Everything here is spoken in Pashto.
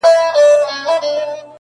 نور دي دسترگو په كتاب كي.